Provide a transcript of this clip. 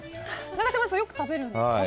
永島さん、よく食べるんですか。